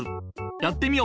やってみよ。